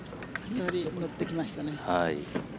２人、乗ってきましたね。